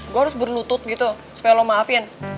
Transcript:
gue harus berlutut gitu supaya lo maafin